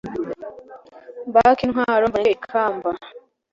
mbake intwaro mbanyage ikamba